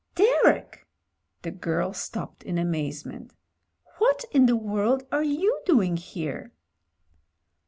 "Derek !" The girl stopped in amazement. "What in the world are you doing here?"